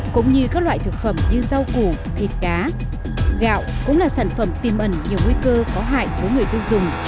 cũng như các loại thực phẩm như rau củ thịt cá gạo cũng là sản phẩm tìm ẩn nhiều nguy cơ có hại với người tiêu dùng